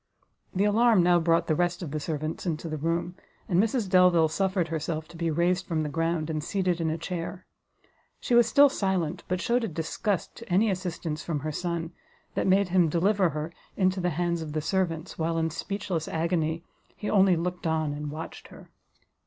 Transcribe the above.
The alarm now brought the rest of the servants into the room, and Mrs Delvile suffered herself to be raised from the ground, and seated in a chair; she was still silent, but shewed a disgust to any assistance from her son, that made him deliver her into the hands of the servants, while, in speechless agony, he only looked on and watched her.